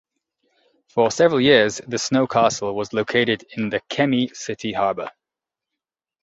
For several years the snowcastle was located in the Kemi city harbor.